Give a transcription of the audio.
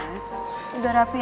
kamu setiap kangen telpon ya